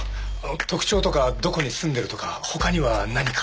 特徴とかどこに住んでるとかほかには何か？